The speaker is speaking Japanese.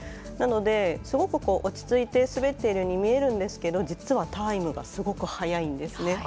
なので、すごく落ち着いて滑ってるように見えるんですが実はタイムがすごく速いんですね。